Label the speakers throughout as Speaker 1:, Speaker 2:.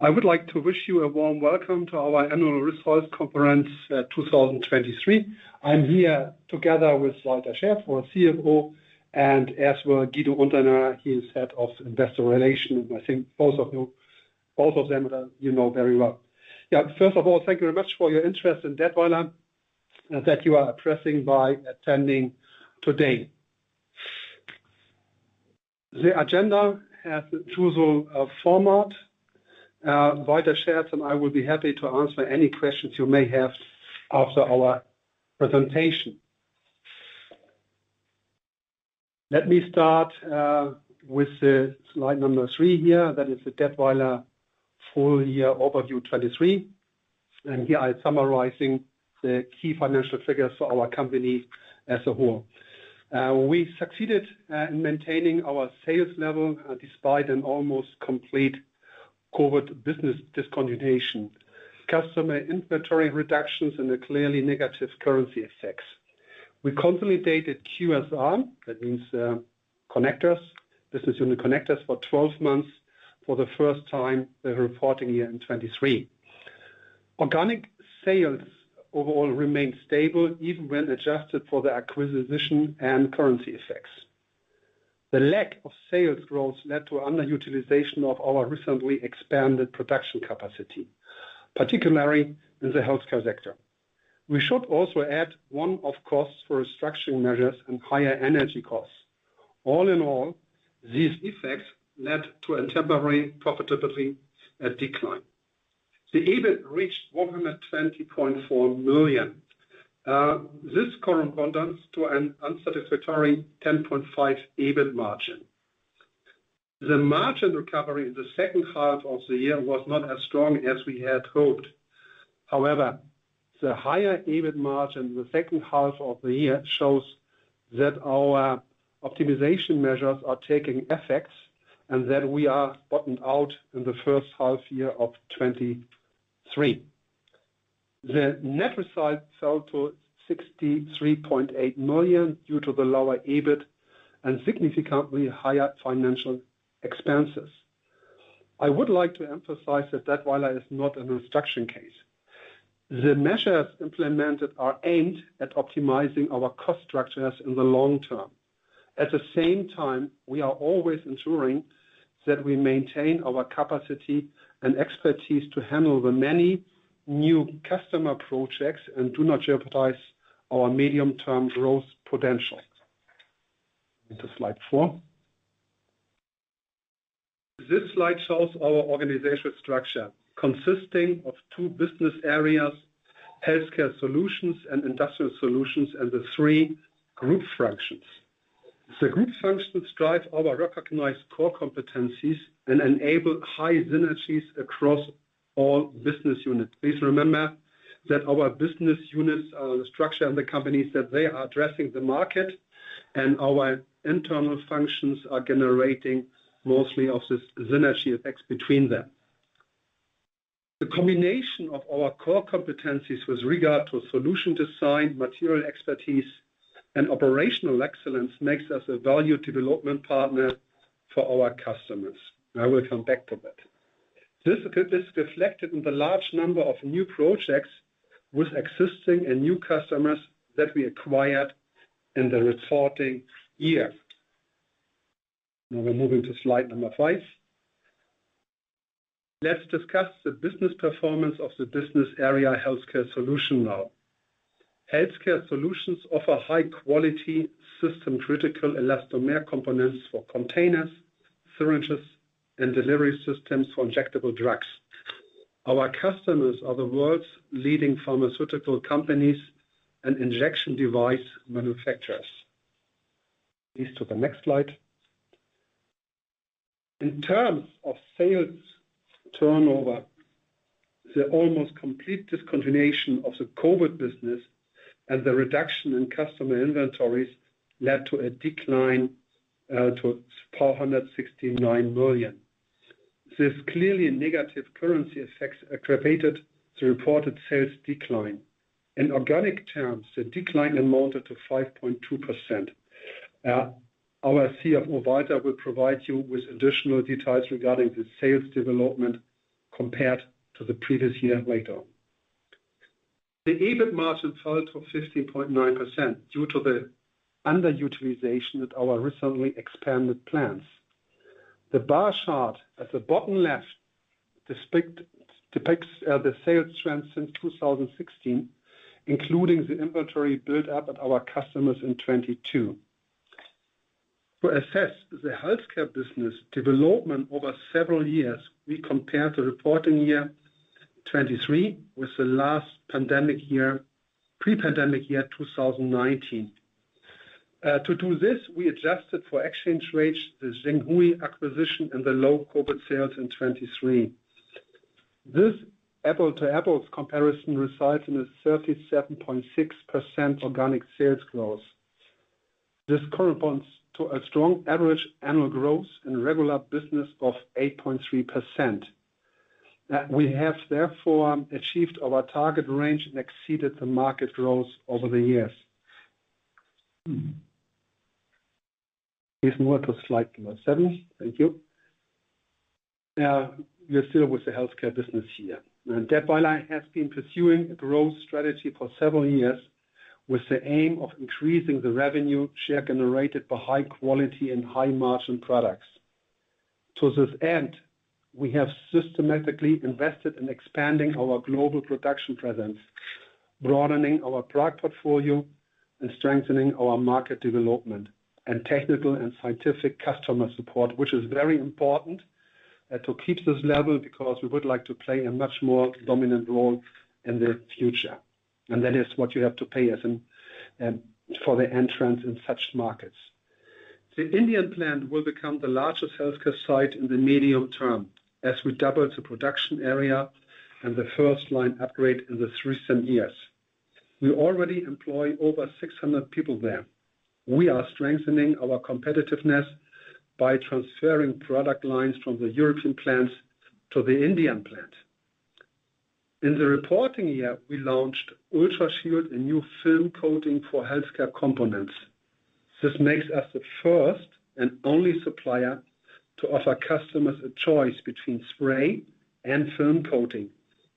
Speaker 1: I would like to wish you a warm welcome to our annual results conference, 2023. I'm here together with Walter Scherz, our CFO, and as well, Guido Unternährer, he is Head of Investor Relations. I think both of them, you know very well. Yeah, first of all, thank you very much for your interest in Dätwyler, that you are addressing by attending today. The agenda has the usual format. Walter Scherz and I will be happy to answer any questions you may have after our presentation. Let me start with the slide number three here. That is the Dätwyler full year overview 2023, and here I'm summarizing the key financial figures for our company as a whole. We succeeded in maintaining our sales level despite an almost complete COVID business discontinuation, customer inventory reductions, and a clearly negative currency effects. We consolidated QSR, that means, Connectors, business unit Connectors for 12 months for the first time, the reporting year in 2023. Organic sales overall remained stable, even when adjusted for the acquisition and currency effects. The lack of sales growth led to underutilization of our recently expanded production capacity, particularly in the healthcare sector. We should also add one-off costs for restructuring measures and higher energy costs. All in all, these effects led to a temporary profitability decline. The EBIT reached 120.4 million. This corresponds to an unsatisfactory 10.5% EBIT margin. The margin recovery in the second half of the year was not as strong as we had hoped. However, the higher EBIT margin in the second half of the year shows that our optimization measures are taking effects and that we are bottomed out in the first half year of 2023. The net result fell to 63.8 million due to the lower EBIT and significantly higher financial expenses. I would like to emphasize that Dätwyler is not a restructuring case. The measures implemented are aimed at optimizing our cost structures in the long term. At the same time, we are always ensuring that we maintain our capacity and expertise to handle the many new customer projects and do not jeopardize our medium-term growth potential. Into slide four. This slide shows our organizational structure, consisting of two business areas, Healthcare Solutions and Industrial Solutions, and the three group functions. The group functions drive our recognized core competencies and enable high synergies across all business units. Please remember that our business units are the structure and the companies, that they are addressing the market, and our internal functions are generating most of the synergy effects between them. The combination of our core competencies with regard to solution design, material expertise, and operational excellence makes us a value development partner for our customers. I will come back to that. This is reflected in the large number of new projects with existing and new customers that we acquired in the reporting year. Now we're moving to slide number five. Let's discuss the business performance of the business area, Healthcare Solutions now. Healthcare Solutions offer high-quality, system-critical elastomer components for containers, syringes, and delivery systems for injectable drugs. Our customers are the world's leading pharmaceutical companies and injection device manufacturers. Please, to the next slide. In terms of sales turnover, the almost complete discontinuation of the COVID business and the reduction in customer inventories led to a decline to 469 million. This clearly negative currency effects aggravated the reported sales decline. In organic terms, the decline amounted to 5.2%. Our CFO, Walter, will provide you with additional details regarding the sales development compared to the previous year later. The EBIT margin fell to 15.9% due to the underutilization at our recently expanded plants. The bar chart at the bottom left depicts the sales trend since 2016, including the inventory build-up at our customers in 2022. To assess the healthcare business development over several years, we compare the reporting year, 2023, with the last pandemic year, pre-pandemic year, 2019. To do this, we adjusted for exchange rates, the Xinhui acquisition, and the low COVID sales in 2023. This apples-to-apples comparison results in a 37.6% organic sales growth. This corresponds to a strong average annual growth in regular business of 8.3%. We have therefore achieved our target range and exceeded the market growth over the years. Please move to slide number seven. Thank you. Now, we are still with the healthcare business here, and Dätwyler has been pursuing a growth strategy for several years, with the aim of increasing the revenue share generated by high quality and high-margin products. To this end, we have systematically invested in expanding our global production presence, broadening our product portfolio, and strengthening our market development, and technical and scientific customer support, which is very important to keep this level, because we would like to play a much more dominant role in the future, and that is what you have to pay as in for the entrance in such markets. The Indian plant will become the largest healthcare site in the medium term, as we double the production area and the FirstLine upgrade in the recent years. We already employ over 600 people there. We are strengthening our competitiveness by transferring product lines from the European plants to the Indian plant. In the reporting year, we launched UltraShield, a new film coating for healthcare components. This makes us the first and only supplier to offer customers a choice between spray and film coating,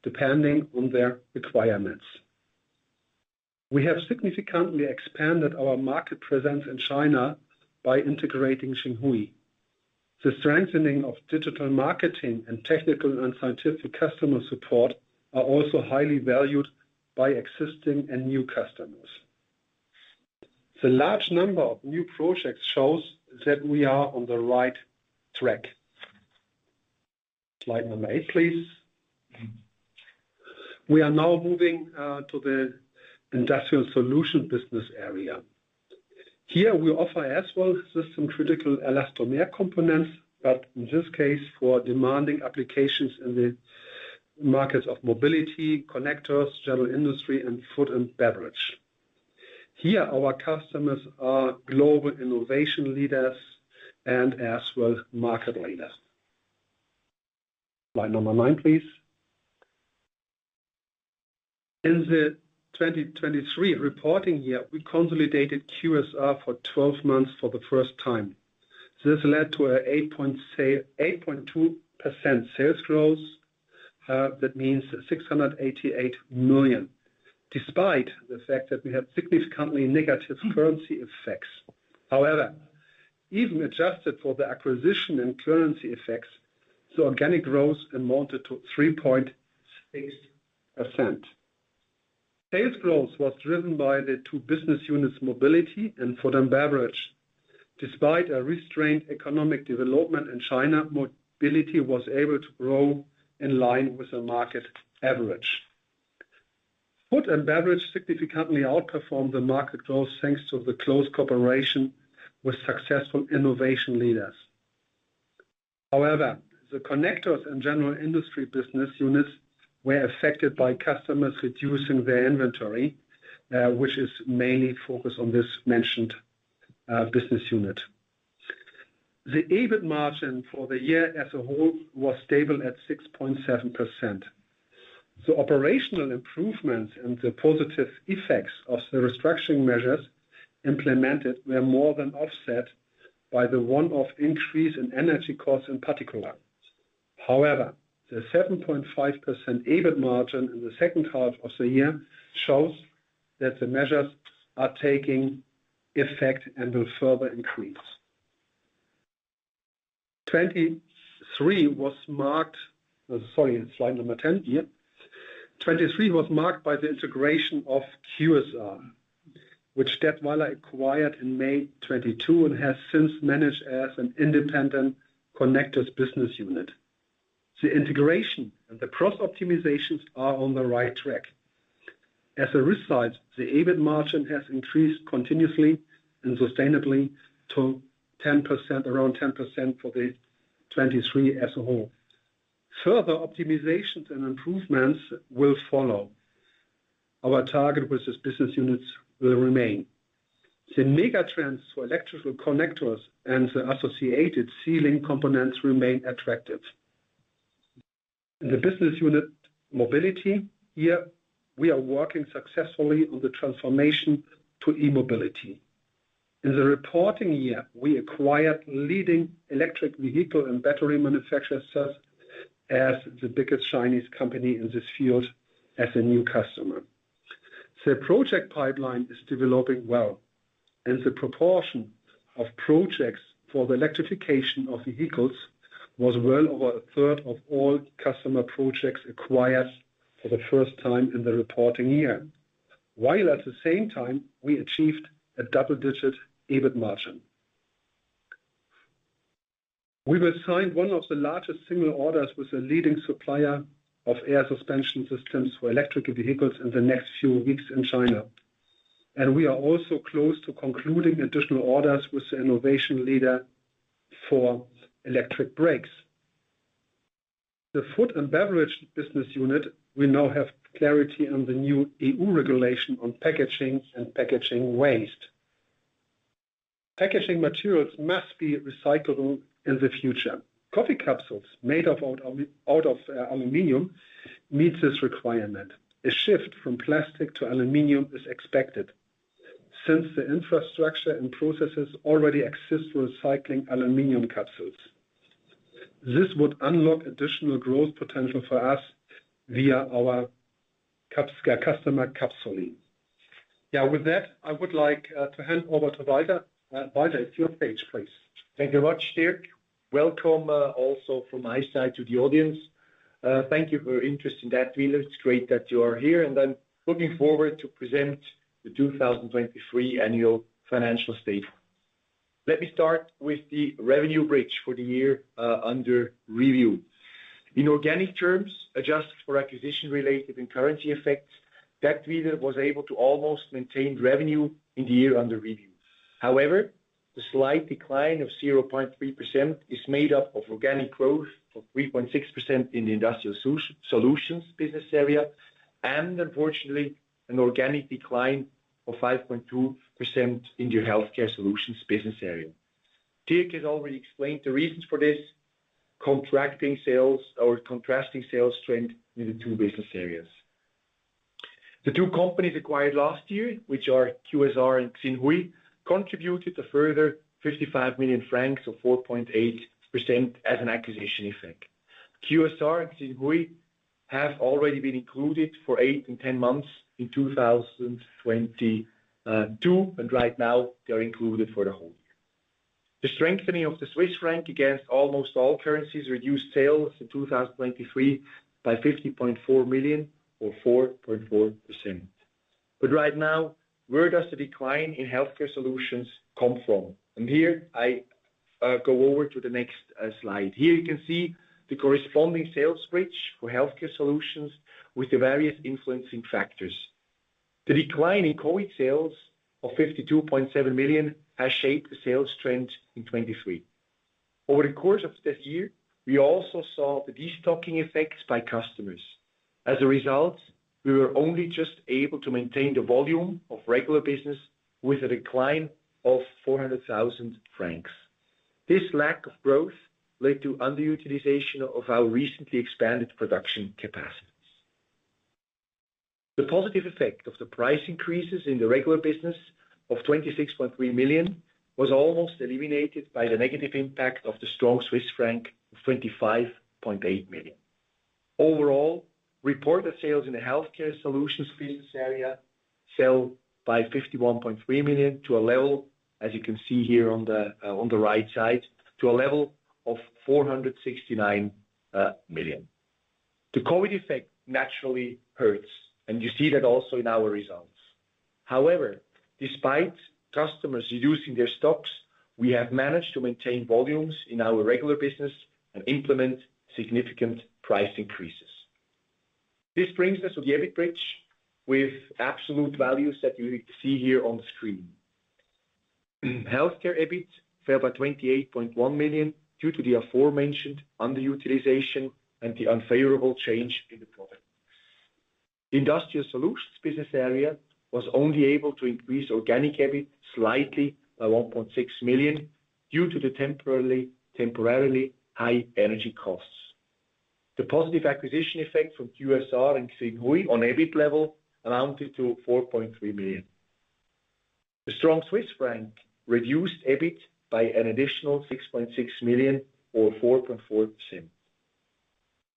Speaker 1: depending on their requirements. We have significantly expanded our market presence in China by integrating Xinhui. The strengthening of digital marketing and technical and scientific customer support are also highly valued by existing and new customers. The large number of new projects shows that we are on the right track. Slide number eight, please. We are now moving to the industrial solution business area. Here, we offer as well system-critical elastomer components, but in this case, for demanding applications in the markets of Mobility, Connectors, General Industry, and Food and Beverage. Here, our customers are global innovation leaders and as well, market leaders. Slide number nine, please. In the 2023 reporting year, we consolidated QSR for 12 months for the first time. This led to 8.2% sales growth. That means 688 million, despite the fact that we have significantly negative currency effects. However, even adjusted for the acquisition and currency effects, the organic growth amounted to 3.6%. Sales growth was driven by the two business units, Mobility and Food and Beverage. Despite a restrained economic development in China, Mobility was able to grow in line with the market average. Food and Beverage significantly outperformed the market growth, thanks to the close cooperation with successful innovation leaders. However, the Connectors and General Industry business units were affected by customers reducing their inventory, which is mainly focused on this mentioned business unit. The EBIT margin for the year as a whole was stable at 6.7%. The operational improvements and the positive effects of the restructuring measures implemented were more than offset by the one-off increase in energy costs in particular. However, the 7.5% EBIT margin in the second half of the year shows that the measures are taking effect and will further increase. 2023 was marked by the integration of QSR, which Dätwyler acquired in May 2022 and has since managed as an independent Connectors business unit. The integration and the cross-optimizations are on the right track. As a result, the EBIT margin has increased continuously and sustainably to 10%, around 10% for 2023 as a whole. Further optimizations and improvements will follow. Our target with these business units will remain. The mega trends for electrical connectors and the associated sealing components remain attractive. In the business unit Mobility, here, we are working successfully on the transformation to e-mobility. In the reporting year, we acquired leading electric vehicle and battery manufacturer serves as the biggest Chinese company in this field as a new customer. The project pipeline is developing well, and the proportion of projects for the electrification of vehicles was well over a third of all customer projects acquired for the first time in the reporting year, while at the same time, we achieved a double-digit EBIT margin. We were signed one of the largest single orders with a leading supplier of air suspension systems for electric vehicles in the next few weeks in China, and we are also close to concluding additional orders with the innovation leader for electric brakes. The Food and Beverage business unit will now have clarity on the new EU regulation on packaging and packaging waste. Packaging materials must be recyclable in the future. Coffee capsules made out of aluminum meets this requirement. A shift from plastic to aluminum is expected, since the infrastructure and processes already exist for recycling aluminum capsules. This would unlock additional growth potential for us via our customer, Capsul'in. Yeah, with that, I would like to hand over to Walter. Walter, it's your page, please.
Speaker 2: Thank you much, Dirk. Welcome, also from my side to the audience. Thank you for your interest in that. It's great that you are here, and I'm looking forward to present the 2023 annual financial statement. Let me start with the revenue bridge for the year under review. In organic terms, adjusted for acquisition-related and currency effects, Dätwyler was able to almost maintain revenue in the year under review. However, the slight decline of 0.3% is made up of organic growth of 3.6% in the Industrial Solutions business area, and unfortunately, an organic decline of 5.2% in the Healthcare Solutions business area. Dirk has already explained the reasons for this, contrasting sales trends in the two business areas. The two companies acquired last year, which are QSR and Xinhui, contributed a further 55 million francs or 4.8% as an acquisition effect. QSR and Xinhui have already been included for eight and 10 months in 2022, and right now they are included for the whole year. The strengthening of the Swiss franc against almost all currencies reduced sales in 2023 by 50.4 million or 4.4%. But right now, where does the decline in Healthcare Solutions come from? And here I go over to the next slide. Here you can see the corresponding sales bridge for Healthcare Solutions with the various influencing factors. The decline in COVID sales of 52.7 million has shaped the sales trend in 2023. Over the course of this year, we also saw the destocking effects by customers. As a result, we were only just able to maintain the volume of regular business with a decline of 400,000 francs. This lack of growth led to underutilization of our recently expanded production capacities. The positive effect of the price increases in the regular business of 26.3 million was almost eliminated by the negative impact of the strong Swiss franc of 25.8 million. Overall, reported sales in the Healthcare Solutions business area fell by 51.3 million to a level, as you can see here on the, on the right side, to a level of 469 million. The COVID effect naturally hurts, and you see that also in our results. However, despite customers reducing their stocks, we have managed to maintain volumes in our regular business and implement significant price increases. This brings us to the EBIT bridge with absolute values that you see here on the screen. Healthcare EBIT fell by 28.1 million due to the aforementioned underutilization and the unfavorable change in the product. Industrial Solutions business area was only able to increase organic EBIT slightly by 1.6 million due to the temporarily high energy costs. The positive acquisition effect from QSR and Xinhui on EBIT level amounted to 4.3 million. The strong Swiss franc reduced EBIT by an additional 6.6 million or 4.4%.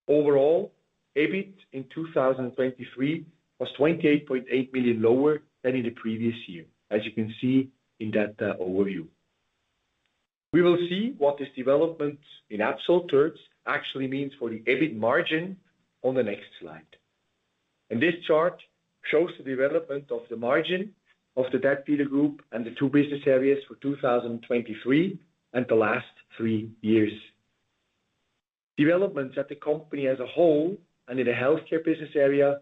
Speaker 2: Overall, EBIT in 2023 was 28.8 million lower than in the previous year, as you can see in that overview. We will see what this development in absolute terms actually means for the EBIT margin on the next slide. This chart shows the development of the margin of the Dätwyler Group and the two business areas for 2023 and the last three years. Developments at the company as a whole and in the healthcare business area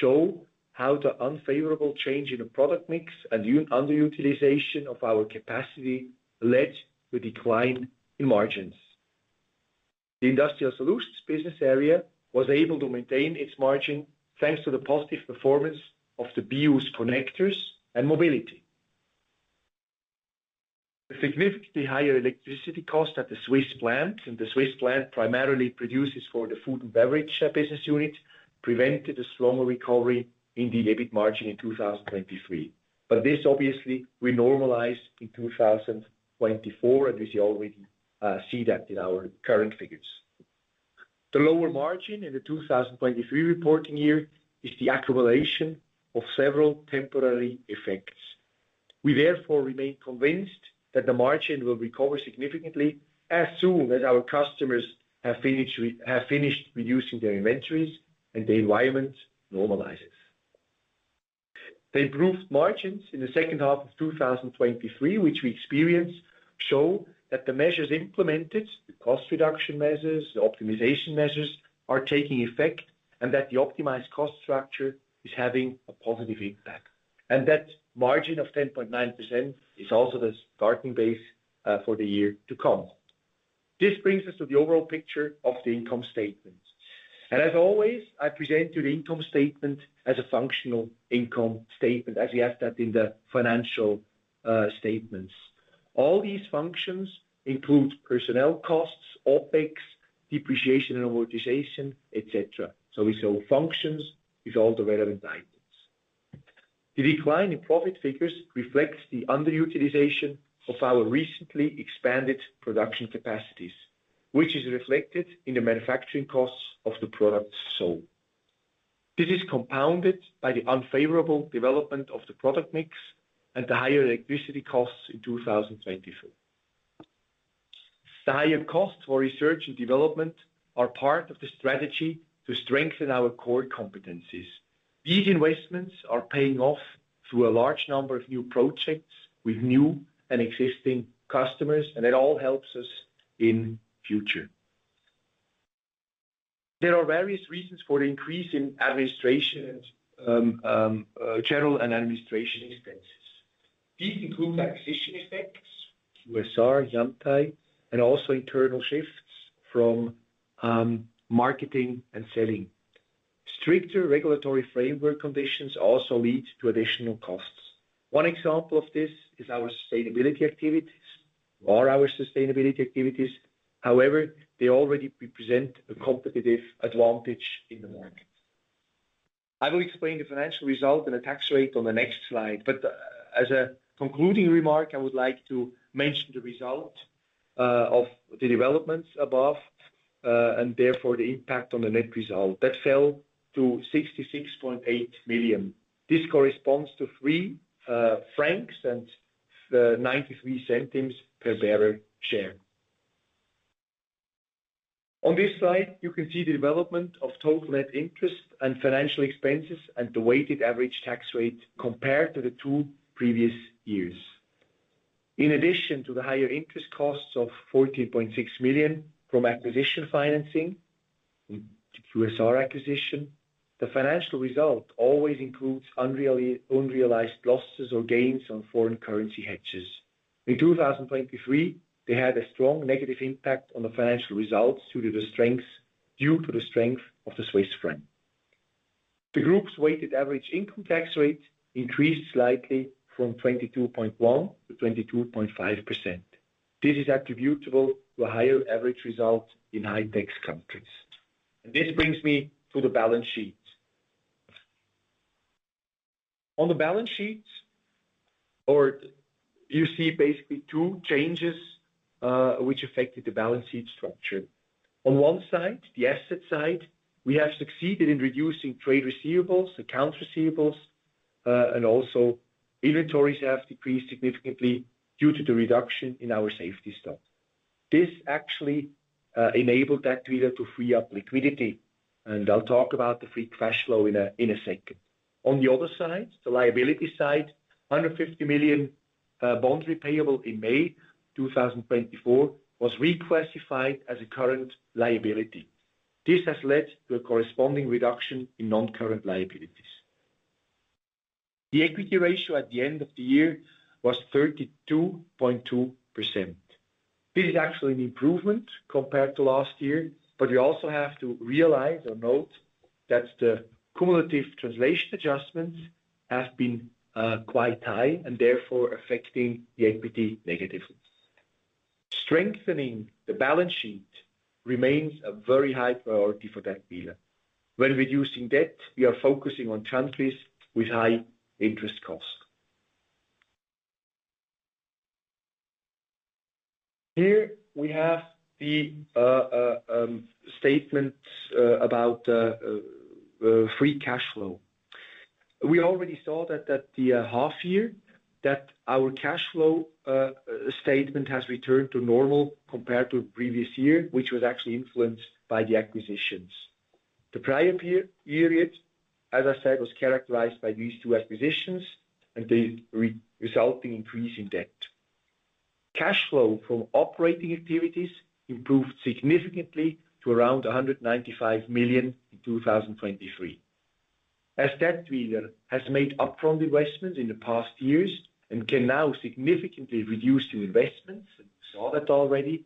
Speaker 2: show how the unfavorable change in the product mix and underutilization of our capacity led to a decline in margins. The Industrial Solutions business area was able to maintain its margin, thanks to the positive performance of the BU's Connectors and Mobility. The significantly higher electricity cost at the Swiss plant, and the Swiss plant primarily produces for the Food and Beverage business unit, prevented a slower recovery in the EBIT margin in 2023. But this obviously will normalize in 2024, and we see already that in our current figures. The lower margin in the 2023 reporting year is the accumulation of several temporary effects. We therefore remain convinced that the margin will recover significantly as soon as our customers have finished reducing their inventories and the environment normalizes. The improved margins in the second half of 2023, which we experienced, show that the measures implemented, the cost reduction measures, the optimization measures, are taking effect and that the optimized cost structure is having a positive impact. And that margin of 10.9% is also the starting base for the year to come. This brings us to the overall picture of the income statement. As always, I present you the income statement as a functional income statement, as we have that in the financial statements. All these functions include personnel costs, OpEx, depreciation and amortization, et cetera. So we show functions with all the relevant items. The decline in profit figures reflects the underutilization of our recently expanded production capacities, which is reflected in the manufacturing costs of the products sold. This is compounded by the unfavorable development of the product mix and the higher electricity costs in 2024. The higher costs for research and development are part of the strategy to strengthen our core competencies. These investments are paying off through a large number of new projects with new and existing customers, and it all helps us in future. There are various reasons for the increase in administration, general and administration expenses. These include acquisition effects, QSR, Yantai, and also internal shifts from, marketing and selling. Stricter regulatory framework conditions also lead to additional costs. One example of this is our sustainability activities, or our sustainability activities. However, they already represent a competitive advantage in the market. I will explain the financial result and the tax rate on the next slide, but, as a concluding remark, I would like to mention the result, of the developments above, and therefore the impact on the net result. That fell to 66.8 million. This corresponds to 3.93 francs per bearer share. On this slide, you can see the development of total net interest and financial expenses, and the weighted average tax rate compared to the two previous years. In addition to the higher interest costs of 14.6 million from acquisition financing, QSR acquisition, the financial result always includes unrealized losses or gains on foreign currency hedges. In 2023, they had a strong negative impact on the financial results due to the strength of the Swiss franc. The group's weighted average income tax rate increased slightly from 22.1% to 22.5%. This is attributable to a higher average result in high tax countries. This brings me to the balance sheet. On the balance sheet, or you see basically two changes, which affected the balance sheet structure. On one side, the asset side, we have succeeded in reducing trade receivables, accounts receivables, and also inventories have decreased significantly due to the reduction in our safety stock. This actually enabled Dätwyler to free up liquidity, and I'll talk about the free cash flow in a, in a second. On the other side, the liability side, 150 million bonds repayable in May 2024 was reclassified as a current liability. This has led to a corresponding reduction in non-current liabilities. The equity ratio at the end of the year was 32.2%. This is actually an improvement compared to last year, but you also have to realize or note that the cumulative translation adjustments have been quite high and therefore affecting the equity negatively. Strengthening the balance sheet remains a very high priority for Dätwyler. When reducing debt, we are focusing on transfers with high interest costs. Here we have the statements about free cash flow. We already saw that the half year that our cash flow statement has returned to normal compared to previous year, which was actually influenced by the acquisitions. The prior period, as I said, was characterized by these two acquisitions and the resulting increase in debt. Cash flow from operating activities improved significantly to around 195 million in 2023. As Dätwyler has made upfront investments in the past years and can now significantly reduce the investments, and we saw that already,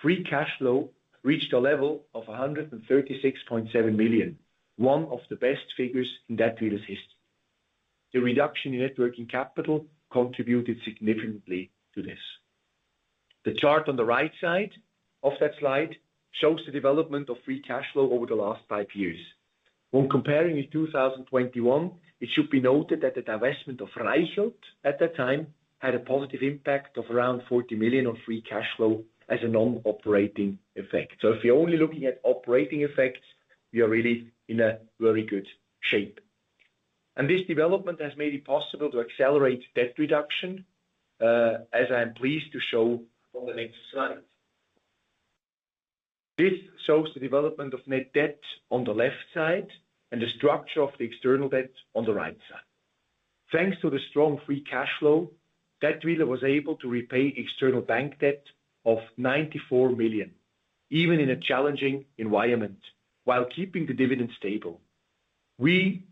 Speaker 2: free cash flow reached a level of 136.7 million, one of the best figures in Dätwyler's history. The reduction in net working capital contributed significantly to this. The chart on the right side of that slide shows the development of free cash flow over the last five years. When comparing with 2021, it should be noted that the divestment of Reichelt at that time had a positive impact of around 40 million on free cash flow as a non-operating effect. So if you're only looking at operating effects, we are really in a very good shape. This development has made it possible to accelerate debt reduction, as I am pleased to show on the next slide. This shows the development of net debt on the left side and the structure of the external debt on the right side. Thanks to the strong free cash flow, Dätwyler was able to repay external bank debt of 94 million, even in a challenging environment, while keeping the dividend stable. We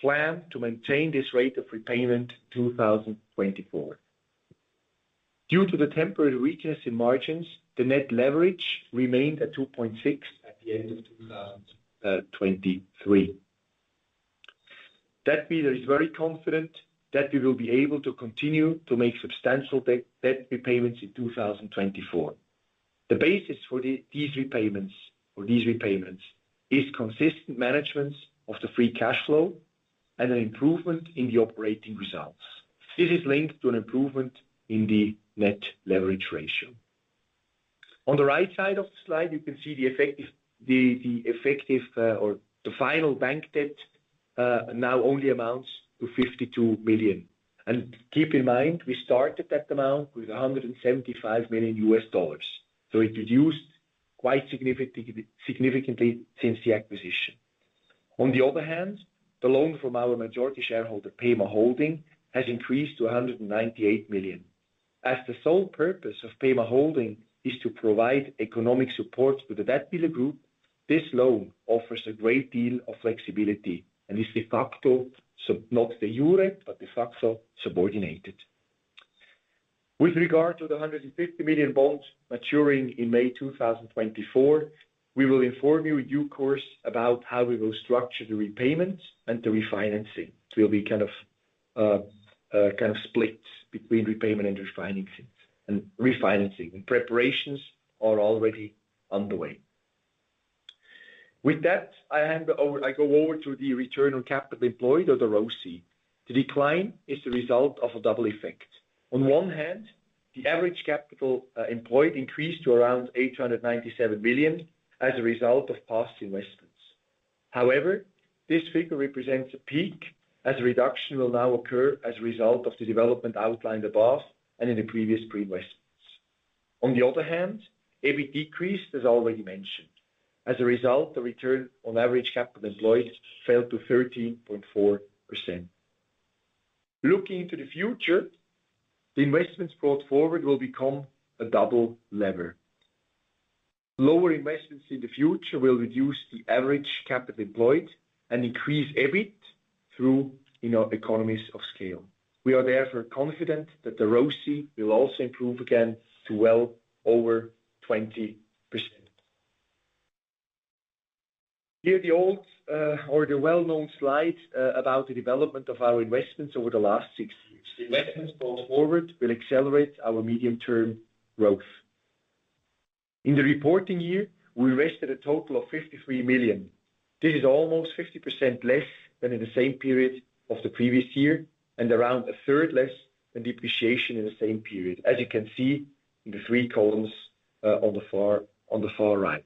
Speaker 2: plan to maintain this rate of repayment 2024. Due to the temporary weakness in margins, the net leverage remained at 2.6 at the end of 2023. Dätwyler is very confident that we will be able to continue to make substantial debt repayments in 2024. The basis for these repayments is consistent management of the free cash flow and an improvement in the operating results. This is linked to an improvement in the net leverage ratio. On the right side of the slide, you can see the effective or the final bank debt now only amounts to $52 million. And keep in mind, we started that amount with $175 million U.S. dollars, so it reduced quite significantly since the acquisition. On the other hand, the loan from our majority shareholder, Pema Holding, has increased to 198 million. As the sole purpose of Pema Holding is to provide economic support to the Dätwyler Group, this loan offers a great deal of flexibility and is de facto, so not the euro, but de facto subordinated. With regard to the 150 million bonds maturing in May 2024, we will inform you in due course about how we will structure the repayments and the refinancing. It will be kind of, kind of split between repayment and refinancing, and refinancing, and preparations are already underway. With that, I hand over-- I go over to the return on capital employed or the ROCE. The decline is the result of a double effect. On one hand, the average capital employed increased to around 897 million as a result of past investments. However, this figure represents a peak, as a reduction will now occur as a result of the development outlined above and in the previous pre-investments. On the other hand, EBIT decreased, as already mentioned. As a result, the return on average capital employed fell to 13.4%. Looking into the future, the investments brought forward will become a double lever. Lower investments in the future will reduce the average capital employed and increase EBIT through, you know, economies of scale. We are therefore confident that the ROCE will also improve again to well over 20%. Here, the old, or the well-known slide, about the development of our investments over the last six years. The investments brought forward will accelerate our medium-term growth. In the reporting year, we invested a total of 53 million. This is almost 50% less than in the same period of the previous year and around a third less than depreciation in the same period, as you can see in the three columns on the far right.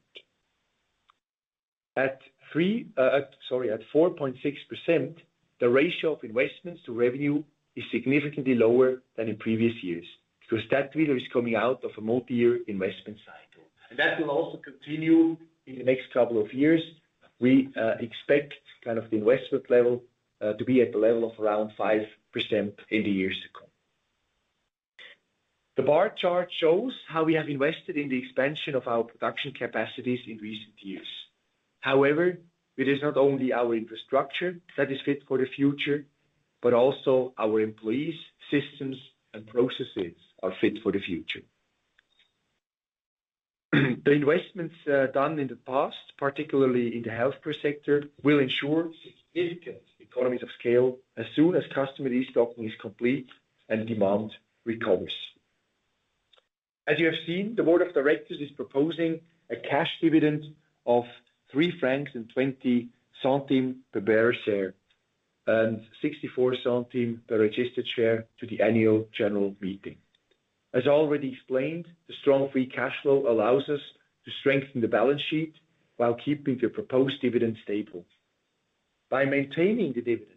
Speaker 2: At 4.6%, the ratio of investments to revenue is significantly lower than in previous years, because Dätwyler is coming out of a multi-year investment cycle, and that will also continue in the next couple of years. We expect kind of the investment level to be at the level of around 5% in the years to come. The bar chart shows how we have invested in the expansion of our production capacities in recent years. However, it is not only our infrastructure that is fit for the future, but also our employees, systems, and processes are fit for the future. The investments done in the past, particularly in the healthcare sector, will ensure significant economies of scale as soon as customer restocking is complete and demand recovers. As you have seen, the board of directors is proposing a cash dividend of 3.20 francs per bearer share, and 0.64 per registered share to the annual general meeting. As already explained, the strong free cash flow allows us to strengthen the balance sheet while keeping the proposed dividend stable. By maintaining the dividend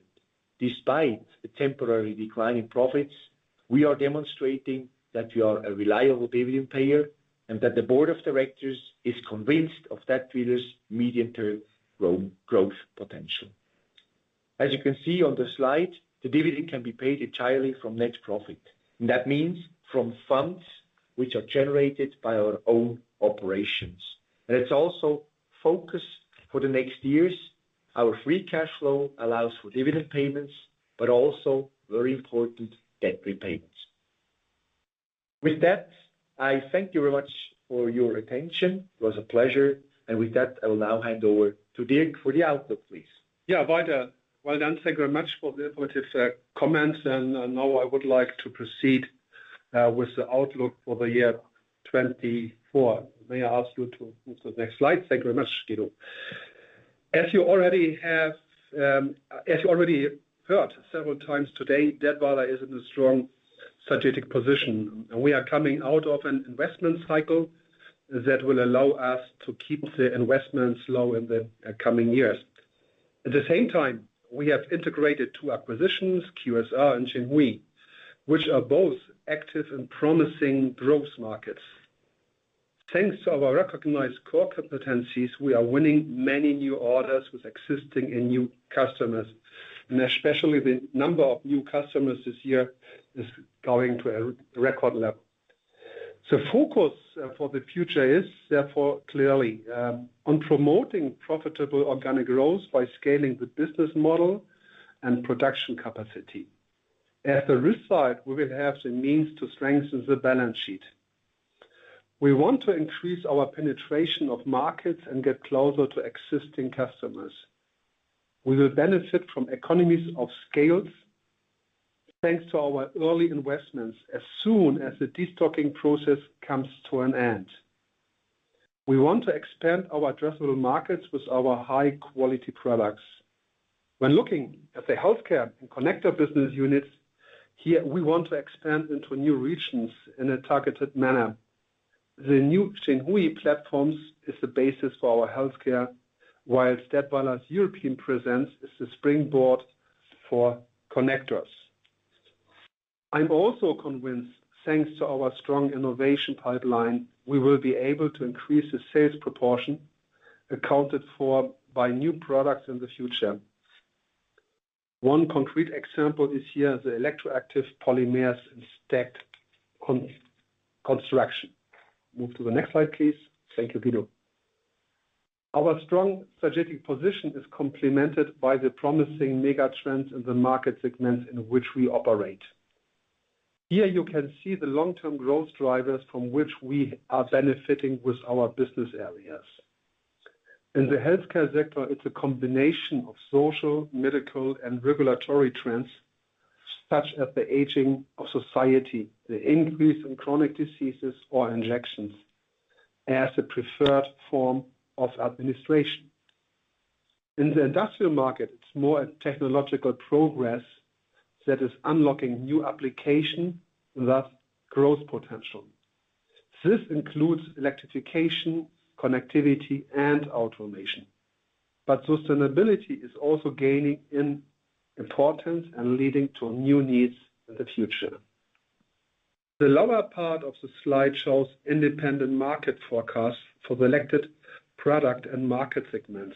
Speaker 2: despite the temporary decline in profits, we are demonstrating that we are a reliable dividend payer and that the board of directors is convinced of Dätwyler's medium-term growth potential. As you can see on the slide, the dividend can be paid entirely from net profit, and that means from funds which are generated by our own operations. It's also focus for the next years. Our free cash flow allows for dividend payments, but also very important debt repayments. With that, I thank you very much for your attention. It was a pleasure, and with that, I will now hand over to Dirk for the outlook, please.
Speaker 1: Yeah, Walter, well done. Thank you very much for the informative comments, and now I would like to proceed with the outlook for the year 2024. May I ask you to move to the next slide? Thank you very much, Guido. As you already have, as you already heard several times today, Dätwyler is in a strong strategic position, and we are coming out of an investment cycle that will allow us to keep the investments low in the coming years. At the same time, we have integrated two acquisitions, QSR and Xinhui, which are both active and promising growth markets. Thanks to our recognized core competencies, we are winning many new orders with existing and new customers, and especially the number of new customers this year is going to a record level. So focus for the future is, therefore, clearly on promoting profitable organic growth by scaling the business model and production capacity. At the risk side, we will have the means to strengthen the balance sheet. We want to increase our penetration of markets and get closer to existing customers. We will benefit from economies of scale thanks to our early investments, as soon as the destocking process comes to an end. We want to expand our addressable markets with our high-quality products. When looking at the healthcare and connector business units, here we want to expand into new regions in a targeted manner. The new Yantai Xinhui platform is the basis for our healthcare, while Dätwyler's European presence is the springboard for Connectors. I'm also convinced, thanks to our strong innovation pipeline, we will be able to increase the sales proportion accounted for by new products in the future. One concrete example is here, the electroactive polymers and stacked construction. Move to the next slide, please. Thank you, Guido. Our strong strategic position is complemented by the promising mega trends in the market segments in which we operate. Here you can see the long-term growth drivers from which we are benefiting with our business areas. In the healthcare sector, it's a combination of social, medical, and regulatory trends, such as the aging of society, the increase in chronic diseases or injections as a preferred form of administration. In the industrial market, it's more a technological progress that is unlocking new application, thus growth potential. This includes electrification, connectivity, and automation, but sustainability is also gaining in importance and leading to new needs in the future. The lower part of the slide shows independent market forecasts for the selected product and market segments.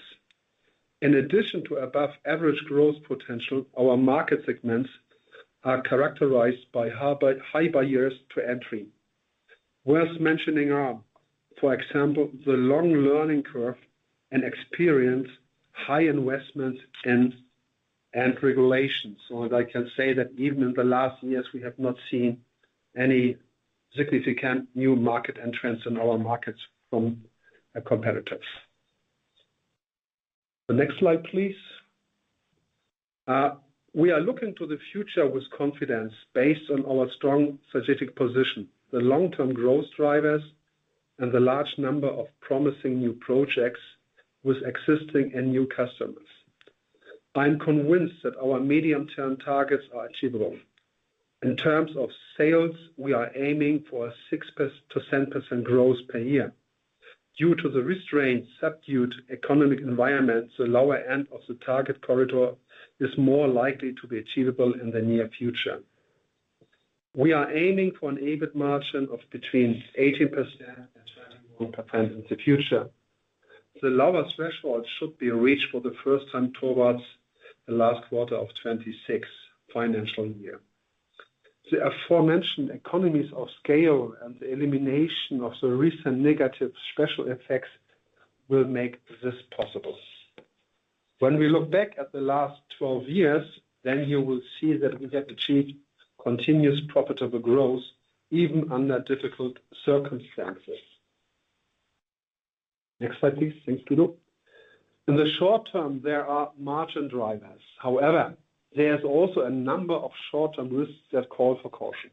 Speaker 1: In addition to above-average growth potential, our market segments are characterized by high barriers to entry. Worth mentioning are, for example, the long learning curve and experience, high investments and regulations. So I can say that even in the last years, we have not seen any significant new market entrants in our markets from our competitors. The next slide, please. We are looking to the future with confidence based on our strong strategic position, the long-term growth drivers, and the large number of promising new projects with existing and new customers. I'm convinced that our medium-term targets are achievable. In terms of sales, we are aiming for a 6%-10% growth per year. Due to the restrained, subdued economic environment, the lower end of the target corridor is more likely to be achievable in the near future. We are aiming for an EBIT margin of between 18% and 21% in the future. The lower threshold should be reached for the first time towards the last quarter of 2026 financial year. The aforementioned economies of scale and the elimination of the recent negative special effects will make this possible. When we look back at the last 12 years, then you will see that we have achieved continuous profitable growth, even under difficult circumstances. Next slide, please. Thanks, Guido. In the short term, there are margin drivers. However, there's also a number of short-term risks that call for caution.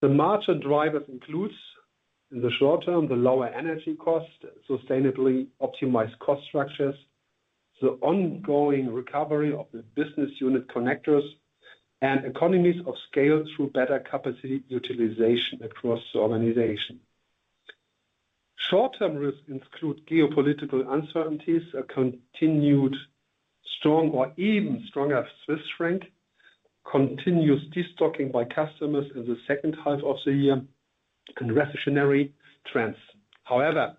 Speaker 1: The margin drivers includes, in the short term, the lower energy cost, sustainably optimized cost structures, the ongoing recovery of the business unit Connectors, and economies of scale through better capacity utilization across the organization. Short-term risks include geopolitical uncertainties, a continued strong or even stronger Swiss franc, continuous destocking by customers in the second half of the year, and recessionary trends. However,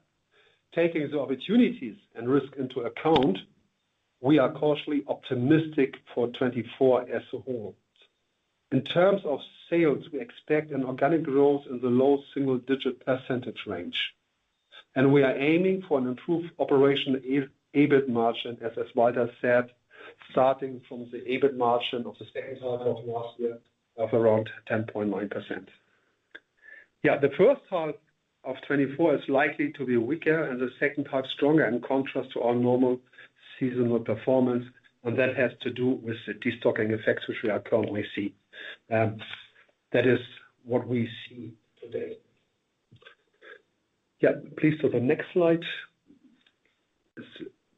Speaker 1: taking the opportunities and risk into account, we are cautiously optimistic for 2024 as a whole. In terms of sales, we expect an organic growth in the low single-digit percentage range, and we are aiming for an improved operational EBIT margin, as Walter said, starting from the EBIT margin of the second half of last year of around 10.9%. Yeah, the first half of 2024 is likely to be weaker and the second half stronger, in contrast to our normal seasonal performance, and that has to do with the destocking effects, which we are currently seeing. That is what we see today. Yeah, please, to the next slide.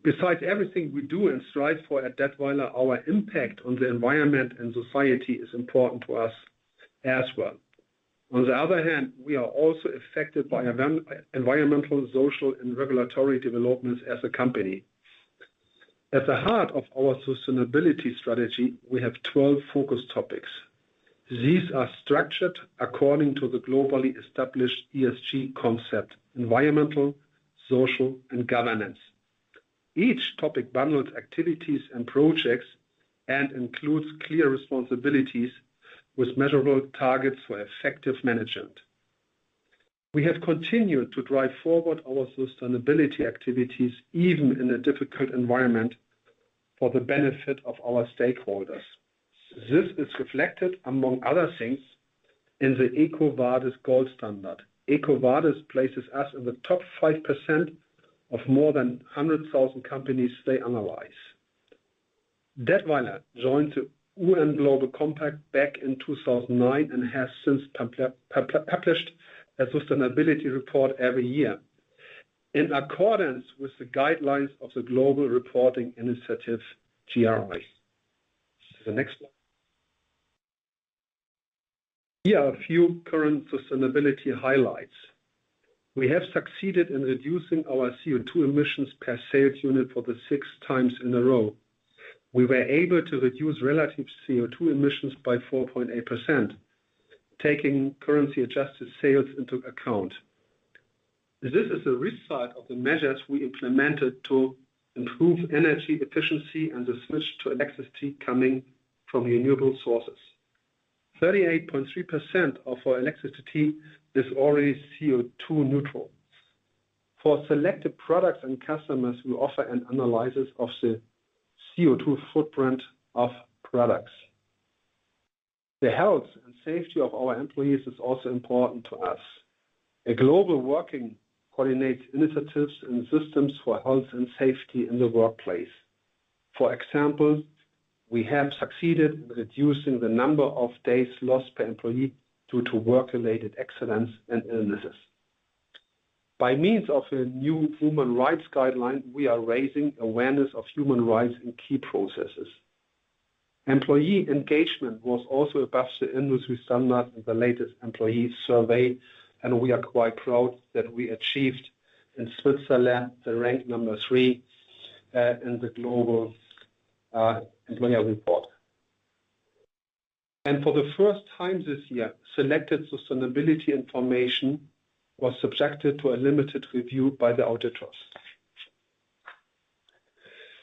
Speaker 1: Besides everything we do and strive for at Dätwyler, our impact on the environment and society is important to us as well. On the other hand, we are also affected by environmental, social, and governance developments as a company. At the heart of our sustainability strategy, we have 12 focus topics. These are structured according to the globally established ESG concept: environmental, social, and governance. Each topic bundles activities and projects and includes clear responsibilities with measurable targets for effective management. We have continued to drive forward our sustainability activities, even in a difficult environment, for the benefit of our stakeholders. This is reflected, among other things, in the EcoVadis gold standard. EcoVadis places us in the top 5% of more than 100,000 companies they analyze. Dätwyler joined the UN Global Compact back in 2009, and has since published a sustainability report every year. In accordance with the guidelines of the Global Reporting Initiative, GRI. The next one. Here are a few current sustainability highlights. We have succeeded in reducing our CO2 emissions per sales unit for the sixth time in a row. We were able to reduce relative CO2 emissions by 4.8%, taking currency-adjusted sales into account. This is a result of the measures we implemented to improve energy efficiency and the switch to electricity coming from renewable sources. 38.3% of our electricity is already CO2 neutral. For selected products and customers, we offer an analysis of the CO2 footprint of products. The health and safety of our employees is also important to us. Our global working conditions initiatives and systems for health and safety in the workplace. For example, we have succeeded in reducing the number of days lost per employee due to work-related accidents and illnesses. By means of a new human rights guideline, we are raising awareness of human rights in key processes. Employee engagement was also above the industry standard in the latest employee survey, and we are quite proud that we achieved in Switzerland the rank number three in the global employer report. For the first time this year, selected sustainability information was subjected to a limited review by the auditors.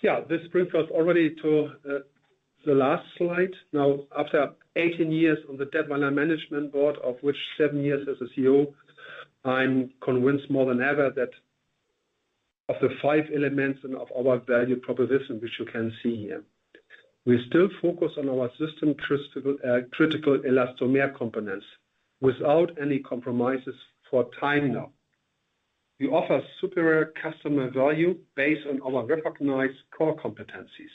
Speaker 1: Yeah, this brings us already to the last slide. Now, after 18 years on the Dätwyler management board, of which seven years as a CEO, I'm convinced more than ever that of the five elements and of our value proposition, which you can see here. We still focus on our system, critical, critical elastomer components without any compromises for time now. We offer superior customer value based on our recognized core competencies.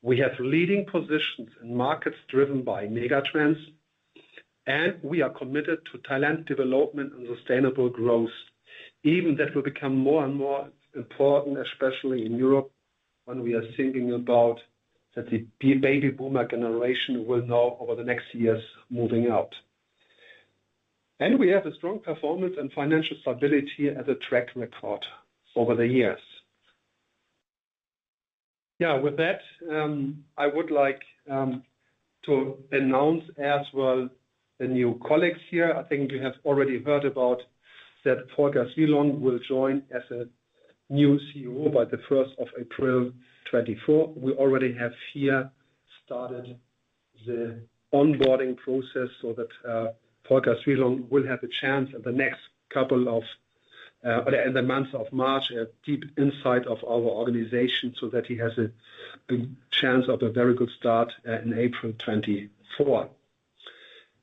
Speaker 1: We have leading positions in markets driven by mega trends, and we are committed to talent development and sustainable growth. Even that will become more and more important, especially in Europe, when we are thinking about that the baby boomer generation will now, over the next years, moving out. We have a strong performance and financial stability as a track record over the years. Yeah, with that, I would like to announce as well, the new colleagues here. I think you have already heard about that Volker Cwielong will join as a new CEO by the first of April 2024. We already have here started the onboarding process so that, Volker Cwielong will have the chance in the next couple of, in the month of March, a deep insight of our organization so that he has a chance of a very good start, in April 2024.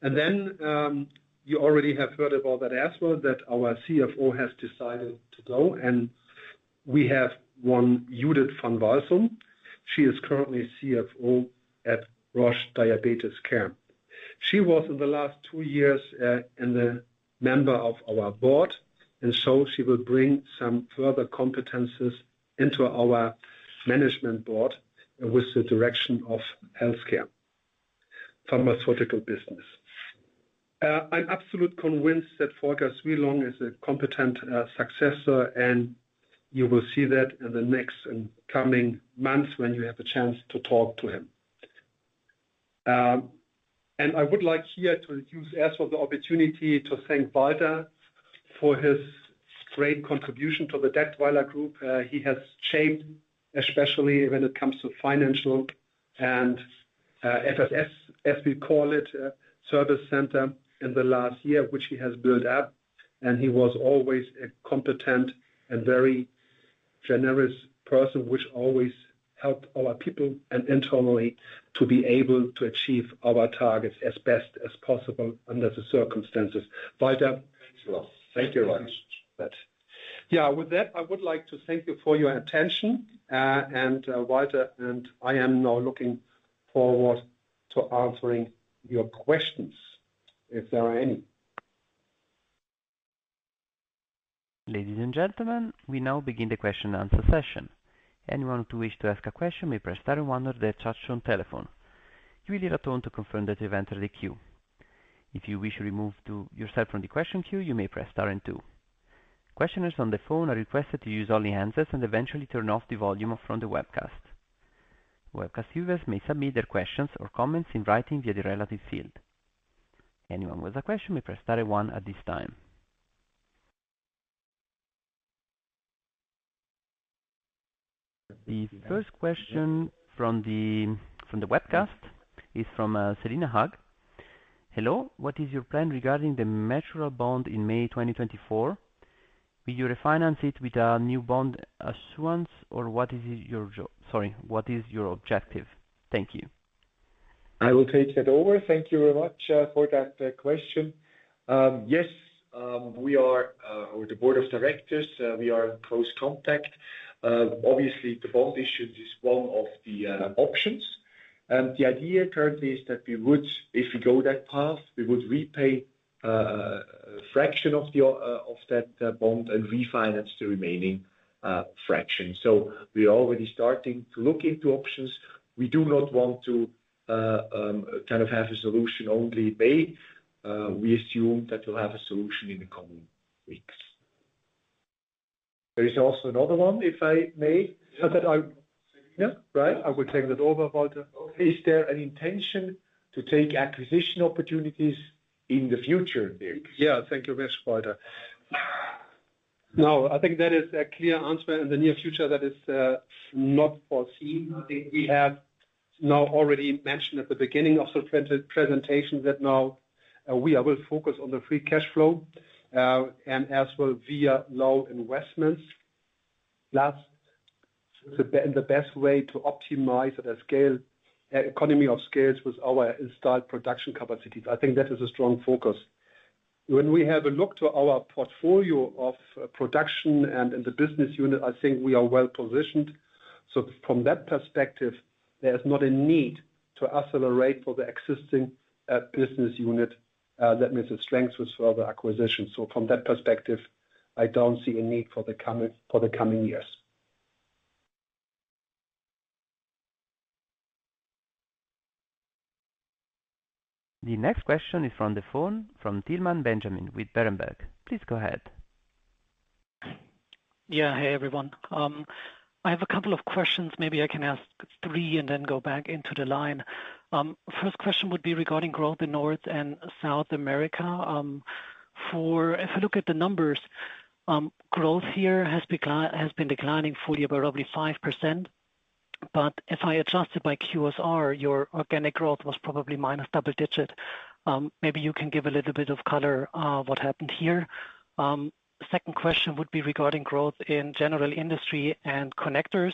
Speaker 1: And then, you already have heard about that as well, that our CFO has decided to go, and we have one Judith van Walsum. She is currently CFO at Roche Diabetes Care. She was, in the last two years, a member of our board, and so she will bring some further competencies into our management board with the direction of healthcare, pharmaceutical business. I'm absolutely convinced that Volker Cwielong is a competent successor, and you will see that in the next and coming months when you have a chance to talk to him. I would like here to use as well the opportunity to thank Walter for his great contribution to the Dätwyler Group. He has shaped, especially when it comes to financial and FSS, as we call it, service center in the last year, which he has built up, and he was always a competent and very generous person, which always helped our people and internally to be able to achieve our targets as best as possible under the circumstances. Walter, thank you very much. Yeah, with that, I would like to thank you for your attention, and Walter and I am now looking forward to answering your questions, if there are any.
Speaker 3: Ladies and gentlemen, we now begin the question and answer session. Anyone who wishes to ask a question may press star and one on their touchtone telephone. You will hear a tone to confirm that you've entered the queue. If you wish to remove yourself from the question queue, you may press star and two. Questioners on the phone are requested to use only answers and eventually turn off the volume from the webcast. Webcast users may submit their questions or comments in writing via the relative field. Anyone with a question may press star and one at this time. The first question from the webcast is from Selina Hug. "Hello, what is your plan regarding the maturing bond in May 2024? Will you refinance it with a new bond issuance, or what is your objective? Thank you.
Speaker 1: I will take that over. Thank you very much for that question. Yes, we are, or the board of directors, we are in close contact. Obviously, the bond issue is one of the options. And the idea currently is that we would, if we go that path, we would repay a fraction of that bond and refinance the remaining fraction. So we are already starting to look into options. We do not want to kind of have a solution only May. We assume that we'll have a solution in the coming weeks. There is also another one, if I may. Yeah, right. I will take that over, Walter.
Speaker 2: Is there an intention to take acquisition opportunities in the future?
Speaker 1: Yeah. Thank you very much, Walter. No, I think that is a clear answer. In the near future, that is, not foreseen. I think we have now already mentioned at the beginning of the pre-presentation that now, we will focus on the free cash flow, and as well via low investments. That's the best way to optimize the scale, economy of scales with our installed production capacities. I think that is a strong focus. When we have a look to our portfolio of production and in the business unit, I think we are well positioned. So from that perspective, there is not a need to accelerate for the existing business unit. That means the strength was for the acquisition. So from that perspective, I don't see a need for the coming, for the coming years.
Speaker 3: The next question is from the phone from Thielmann Benjamin with Berenberg. Please go ahead.
Speaker 4: Yeah. Hey, everyone. I have a couple of questions. Maybe I can ask three and then go back into the line. First question would be regarding growth in North and South America. For, if I look at the numbers, growth here has been declining fully, about roughly 5%, but if I adjust it by QSR, your organic growth was probably minus double digit. Maybe you can give a little bit of color, what happened here. Second question would be regarding growth in General Industry and Connectors.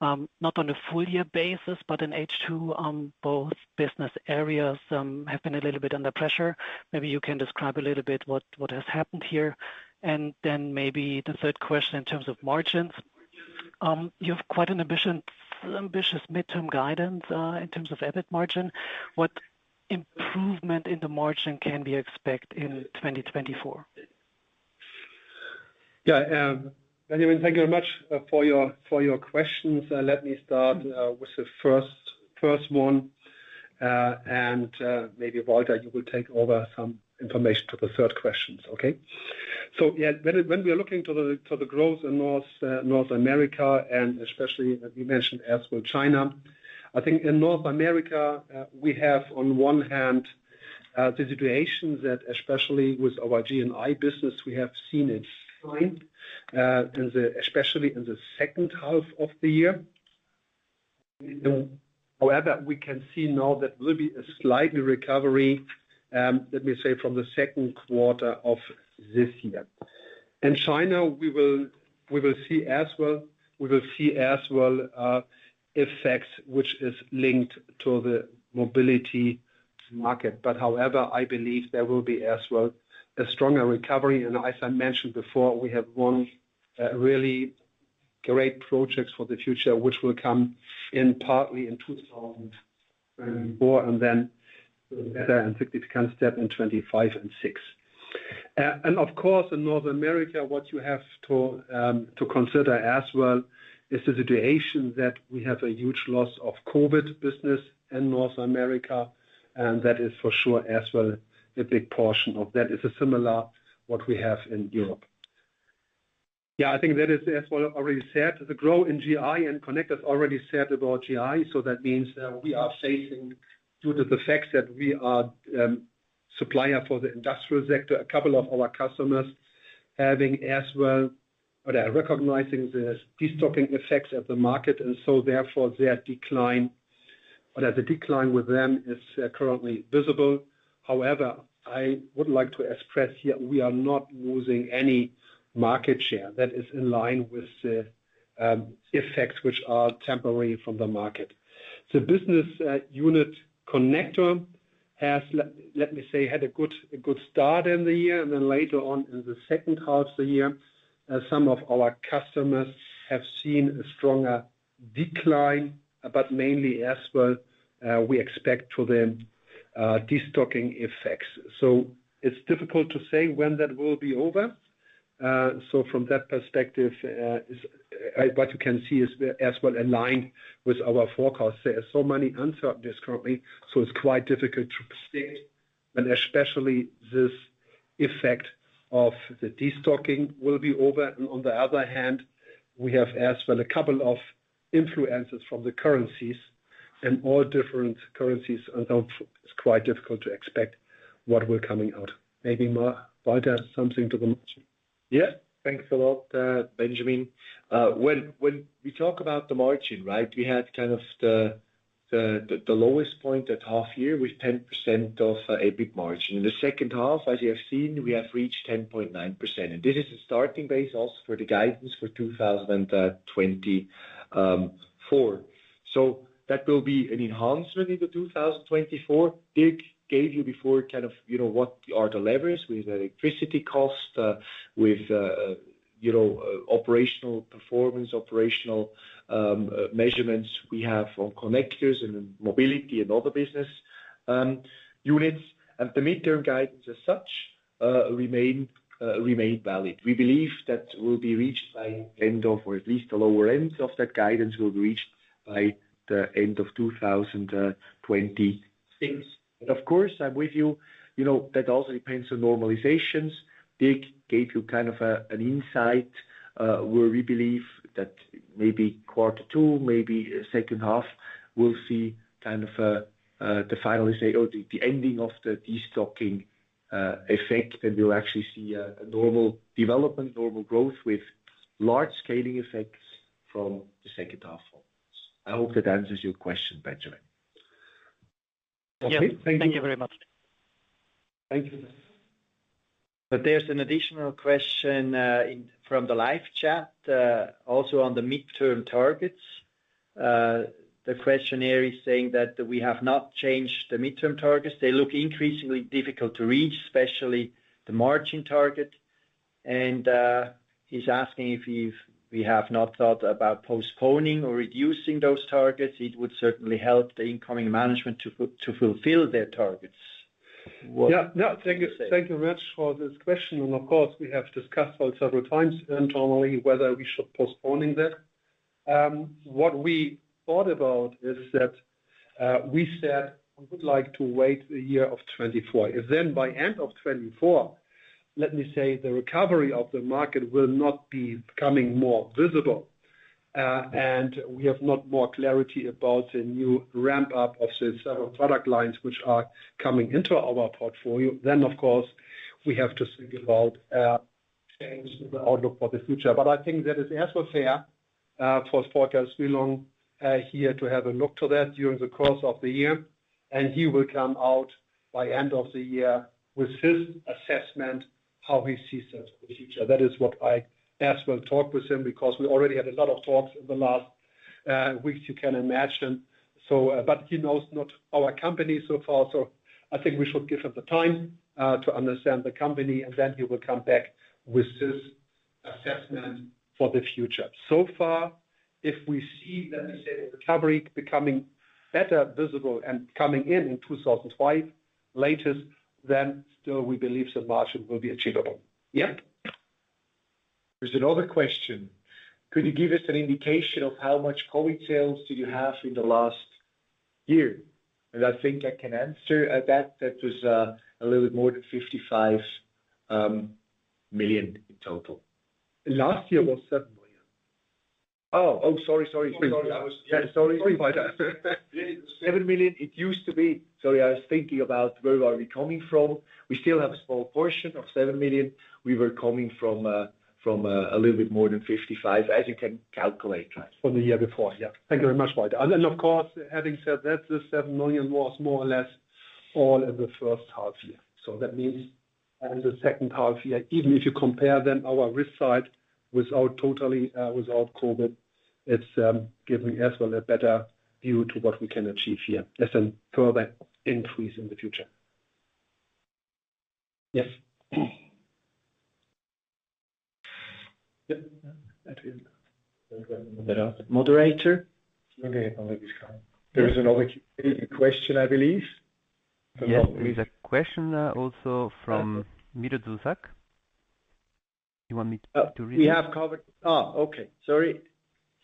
Speaker 4: Not on a full year basis, but in H2, both business areas have been a little bit under pressure. Maybe you can describe a little bit what has happened here. And then maybe the third question in terms of margins. You have quite an ambitious, ambitious midterm guidance in terms of EBIT margin. What improvement in the margin can we expect in 2024?
Speaker 1: Yeah, Benjamin, thank you very much for your questions. Let me start with the first one, and maybe, Walter, you will take over some information to the third questions. Okay? So yeah, when we are looking to the growth in North America, and especially as you mentioned, as well, China, I think in North America, we have, on one hand, the situation that, especially with our GNI business, we have seen a decline in the especially in the second half of the year. However, we can see now that will be a slightly recovery, let me say, from the second quarter of this year. In China, we will see as well effects which is linked to the Mobility market. However, I believe there will be as well a stronger recovery. As I mentioned before, we have one really great projects for the future, which will come in partly in 2024, and then a significant step in 2025 and 2026. Of course, in North America, what you have to to consider as well is the situation that we have a huge loss of COVID business in North America, and that is for sure as well a big portion of that is a similar what we have in Europe. Yeah, I think that is as well already said, the growth in GI and Connectors already said about GI. So that means, we are facing, due to the fact that we are, supplier for the industrial sector, a couple of our customers having as well, or they are recognizing the destocking effects at the market, and so therefore their decline, or the decline with them is, currently visible. However, I would like to express here, we are not losing any market share that is in line with the, effects which are temporary from the market. The business unit connector has let me say had a good start in the year, and then later on in the second half of the year, some of our customers have seen a stronger decline, but mainly as well, we expect to them, destocking effects. So it's difficult to say when that will be over. So from that perspective, what you can see is as well aligned with our forecast. There are so many uncertainties currently, so it's quite difficult to predict, and especially this effect of the destocking will be over. On the other hand, we have as well a couple of influences from the currencies, and all different currencies are now. It's quite difficult to expect what will coming out. Maybe Walter, something to the margin.
Speaker 2: Yeah. Thanks a lot, Benjamin. When we talk about the margin, right, we had kind of the lowest point at half year with 10% of EBIT margin. In the second half, as you have seen, we have reached 10.9%, and this is a starting base also for the guidance for 2024. So that will be an enhancement in 2024. Dirk gave you before kind of, you know, what are the levers with the electricity cost, with you know, operational performance, operational measurements we have on Connectors and Mobility and other business units. And the midterm guidance as such remain valid. We believe that will be reached by end of, or at least the lower end of that guidance will be reached by the end of 2026. But of course, I'm with you, you know, that also depends on normalizations. Dirk gave you kind of an insight where we believe that maybe quarter two, maybe second half, we'll see kind of the final say or the ending of the destocking effect, and we'll actually see a normal development, normal growth with large scaling effects from the second half onwards. I hope that answers your question, Benjamin. Yes.
Speaker 3: Okay, thank you.
Speaker 4: Thank you very much.
Speaker 2: Thank you.
Speaker 5: But there's an additional question in from the live chat also on the medium-term targets. The questioner is saying that we have not changed the medium-term targets. They look increasingly difficult to reach, especially the margin target, and he's asking if we have not thought about postponing or reducing those targets. It would certainly help the incoming management to fulfill their targets. What-
Speaker 1: Yeah. No, thank you, thank you much for this question, and of course, we have discussed several times internally whether we should postponing that. What we thought about is that, we said we would like to wait a year of 2024. If then by end of 2024, let me say the recovery of the market will not be becoming more visible, and we have not more clarity about the new ramp-up of the several product lines which are coming into our portfolio, then, of course, we have to think about, change the outlook for the future. But I think that is also fair, for Volker Cwielong here to have a look to that during the course of the year, and he will come out by end of the year with his assessment, how he sees the future. That is what I as well talk with him because we already had a lot of talks in the last, weeks, you can imagine. So, but he knows not our company so far, so I think we should give him the time, to understand the company, and then he will come back with his assessment for the future. So far, if we see, let me say, the recovery becoming better visible and coming in in 2025 latest, then still we believe the margin will be achievable.
Speaker 2: Yep. There's another question: Could you give us an indication of how much COVID sales did you have in the last year? And I think I can answer that. That was a little bit more than 55 million in total.
Speaker 1: Last year was 7 million.
Speaker 2: Oh, oh, sorry, sorry.
Speaker 1: Sorry. I was-
Speaker 2: Yeah, sorry about that. 7 million, it used to be. Sorry, I was thinking about where are we coming from. We still have a small portion of 7 million. We were coming from a little bit more than 55 million, as you can calculate.
Speaker 1: From the year before. Yeah. Thank you very much, Walter. And then, of course, having said that, the 7 million was more or less all in the first half year. So that means and the second half year, even if you compare then our risk side without totally, without COVID, it's giving us well, a better view to what we can achieve here. There's a further increase in the future.
Speaker 2: Yes. Yep, that will.
Speaker 5: Moderator?
Speaker 1: There is another question, I believe.
Speaker 3: Yes, there is a question, also from Miro Zuzak. You want me to read it?
Speaker 5: We have covered. Oh, okay. Sorry. Sorry.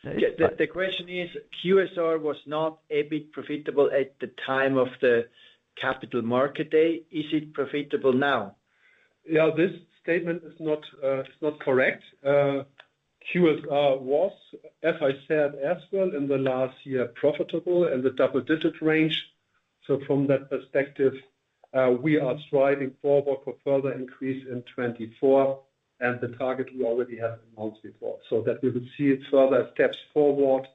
Speaker 5: The question is, QSR was not a bit profitable at the time of the Capital Markets Day. Is it profitable now?
Speaker 1: Yeah, this statement is not, is not correct. QSR was, as I said, as well in the last year, profitable in the double-digit range. So from that perspective, we are striving forward for further increase in 2024, and the target we already have announced before, so that we would see further steps forward,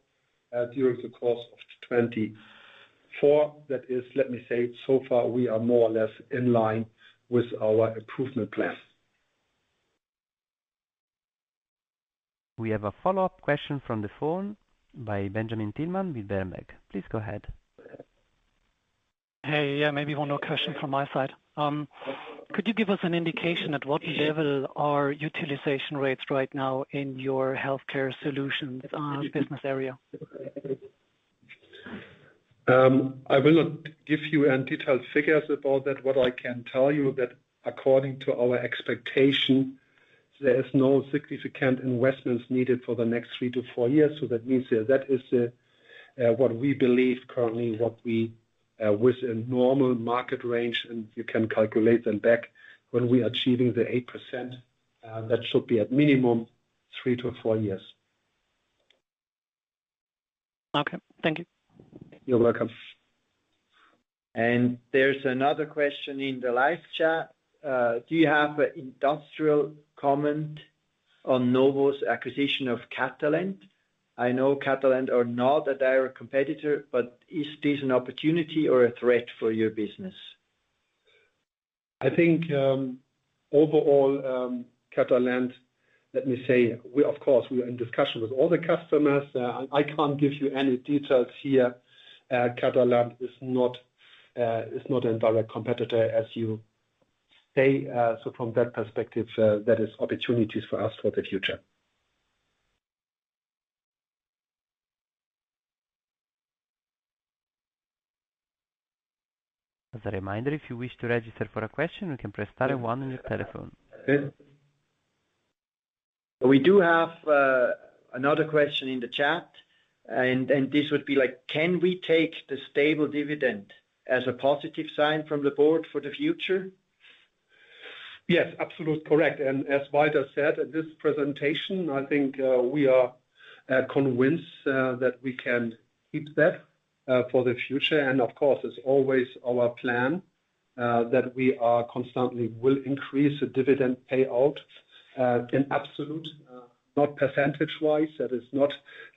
Speaker 1: during the course of 2024. That is, let me say, so far, we are more or less in line with our improvement plan.
Speaker 3: We have a follow-up question from the phone by Thielmann Benjamin with Berenberg. Please go ahead.
Speaker 4: Hey, yeah, maybe one more question from my side. Could you give us an indication at what level are utilization rates right now in your Healthcare Solutions business area?
Speaker 1: I will not give you any detailed figures about that. What I can tell you that according to our expectation, there is no significant investments needed for the next three to four years. So that means that is, what we believe currently, what we, with a normal market range, and you can calculate them back when we are achieving the 8%, that should be at minimum three to four years.
Speaker 4: Okay. Thank you.
Speaker 1: You're welcome.
Speaker 5: There's another question in the live chat. Do you have an industrial comment on Novo's acquisition of Catalent? I know Catalent is not a direct competitor, but is this an opportunity or a threat for your business?
Speaker 1: I think, overall, Catalent, let me say, we of course, we are in discussion with all the customers. I can't give you any details here. Catalent is not a direct competitor, as you say. So from that perspective, that is opportunities for us for the future.
Speaker 3: As a reminder, if you wish to register for a question, you can press star and one on your telephone.
Speaker 5: Good. We do have another question in the chat, and, and this would be like: Can we take the stable dividend as a positive sign from the board for the future?
Speaker 1: Yes, absolutely correct. And as Walter said at this presentation, I think, we are convinced that we can keep that for the future. And of course, it's always our plan that we are constantly will increase the dividend payout in absolute, not percentage-wise. That is not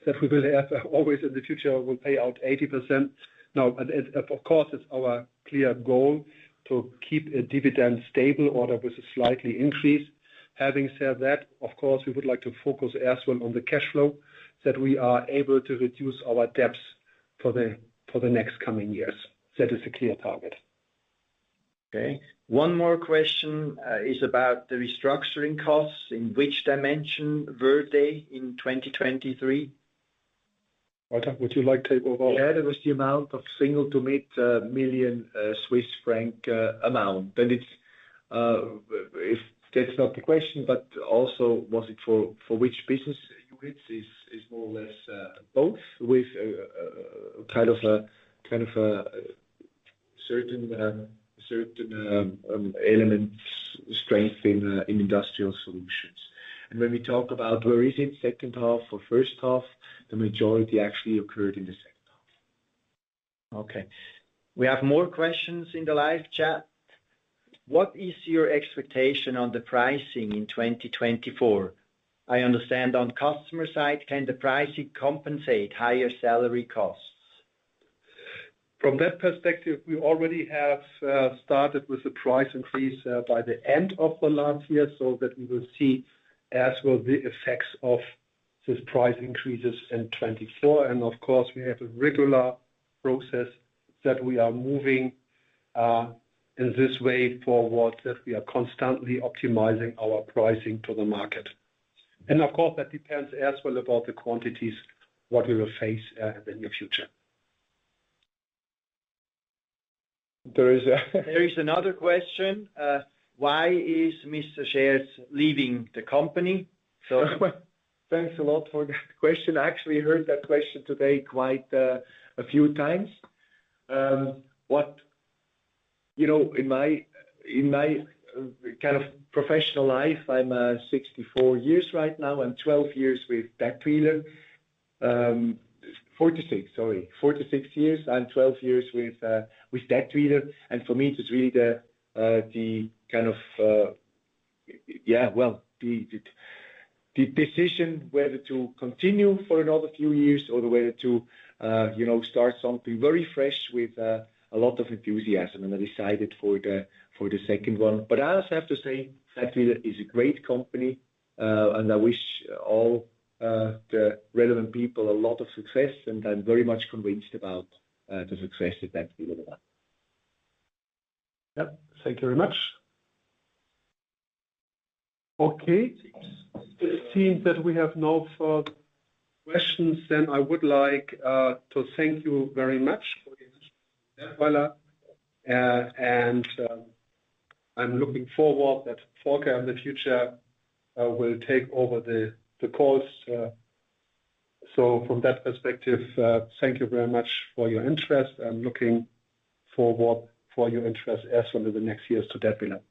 Speaker 1: that we will have always in the future, will pay out 80%. No, but it, of course, it's our clear goal to keep a dividend stable or with a slightly increase. Having said that, of course, we would like to focus as well on the cash flow, that we are able to reduce our debts for the next coming years. That is a clear target.
Speaker 5: Okay. One more question is about the restructuring costs. In which dimension were they in 2023?
Speaker 1: Walter, would you like to take over?
Speaker 2: Yeah, there was the amount of single to mid-million Swiss franc amount. And it's if that's not the question, but also was it for, for which business units is, is more or less, both with kind of a, kind of a certain, certain elements strength in, in Industrial Solutions. And when we talk about where is it, second half or first half, the majority actually occurred in the second half.
Speaker 5: Okay, we have more questions in the live chat. What is your expectation on the pricing in 2024? I understand on customer side, can the pricing compensate higher salary costs?
Speaker 1: From that perspective, we already have started with a price increase by the end of the last year, so that we will see as well the effects of these price increases in 2024. And of course, we have a regular process that we are moving in this way forward, that we are constantly optimizing our pricing to the market. And of course, that depends as well about the quantities, what we will face in the future. There is a...
Speaker 5: There is another question. Why is Mr. Scherz leaving the company? So-
Speaker 2: Thanks a lot for that question. I actually heard that question today quite a few times. You know, in my kind of professional life, I'm 64 years right now and 12 years with Dätwyler. Forty-six, sorry, 46 years and 12 years with Dätwyler. And for me, it is really the kind of, yeah, well, the decision whether to continue for another few years or whether to, you know, start something very fresh with a lot of enthusiasm, and I decided for the second one. But I also have to say, Dätwyler is a great company, and I wish all the relevant people a lot of success, and I'm very much convinced about the success that Dätwyler will have.
Speaker 1: Yep. Thank you very much. Okay. It seems that we have no further questions, then I would like to thank you very much for your interest, and, I'm looking forward that Volker, in the future, will take over the course. So from that perspective, thank you very much for your interest. I'm looking forward for your interest as well in the next years to Dätwyler.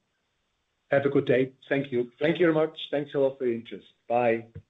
Speaker 1: Have a good day. Thank you.
Speaker 2: Thank you very much. Thanks a lot for your interest. Bye.